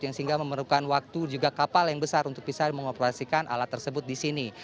sehingga memerlukan waktu juga kapal yang besar untuk bisa mengoperasikan alat tersebut di sini